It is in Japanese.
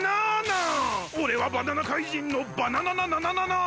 おれはバナナ怪人のバナナナナナナナーン！